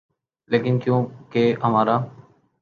لیکن کیونکہ ہمارا